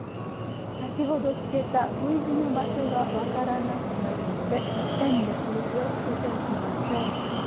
先ほどつけたＶ字の場所が分からなくなるので線で印をつけておきましょう。